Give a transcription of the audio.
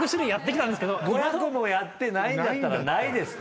５００もやってないんだったらないですって。